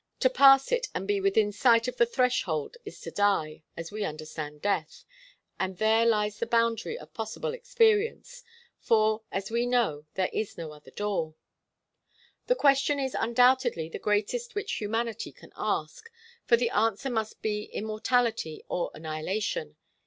To pass it and be within sight of the threshold is to die, as we understand death, and there lies the boundary of possible experience, for, so far as we know, there is no other door. The question is undoubtedly the greatest which humanity can ask, for the answer must be immortality or annihilation.